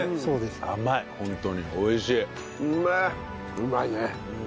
うまいね。